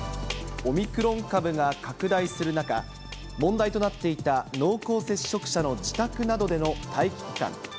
オミクロン株が拡大する中、問題となっていた濃厚接触者の自宅などでの待機期間。